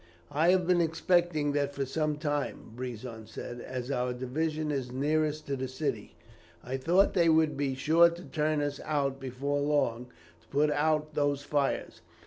"I have been expecting that for some time," Brison said. "As our division is nearest to the city, I thought they would be sure to turn us out before long, to put out those fires.